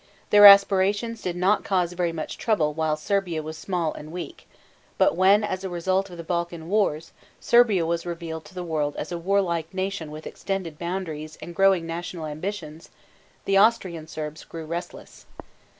Their aspirations did not cause very much trouble while Serbia was small and weak; but when, as a result of the Balkan wars, Serbia was revealed to the world as a warlike nation with extended boundaries and growing national ambitions, the Austrian Serbs grew restless.